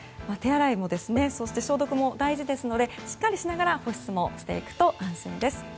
手洗いもそして、消毒も大事ですのでしっかりしながら保湿もしていくと安心です。